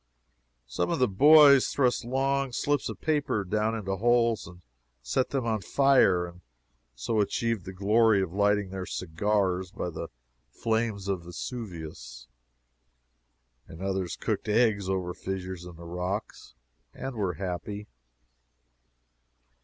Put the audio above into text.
Some of the boys thrust long slips of paper down into holes and set them on fire, and so achieved the glory of lighting their cigars by the flames of Vesuvius, and others cooked eggs over fissures in the rocks and were happy.